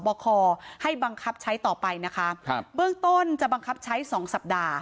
บคให้บังคับใช้ต่อไปนะคะครับเบื้องต้นจะบังคับใช้สองสัปดาห์